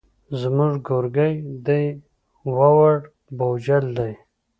زموږ کورګی دی ووړ بوجل دی.